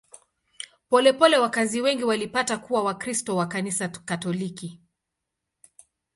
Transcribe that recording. Polepole wakazi wengi walipata kuwa Wakristo wa Kanisa Katoliki.